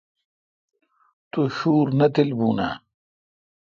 تو شُور نہ تیل بُون آں؟